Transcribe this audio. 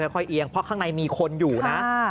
เอียงเพราะข้างในมีคนอยู่นะ